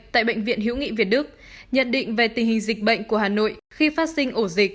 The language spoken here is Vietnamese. tại bệnh viện hữu nghị việt đức nhận định về tình hình dịch bệnh của hà nội khi phát sinh ổ dịch